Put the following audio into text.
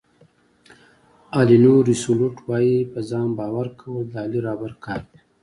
الینور روسیولوټ وایي په ځان باور کول د عالي رهبر کار دی.